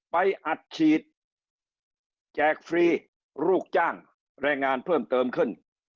อัดฉีดแจกฟรีลูกจ้างแรงงานเพิ่มเติมขึ้น